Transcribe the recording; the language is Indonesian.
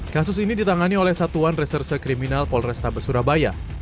kasus ini ditangani oleh satuan reserse kriminal polrestabes surabaya